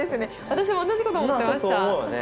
私も同じこと思ってました。